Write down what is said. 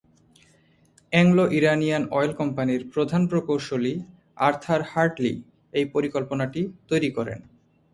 Anglo-Iranian oil কোম্পানির প্রধান প্রকৌশলী আর্থার হার্টলি এই পরিকল্পনাটি তৈরি করেন।